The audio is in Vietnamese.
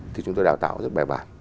thì chúng tôi đào tạo rất bài bản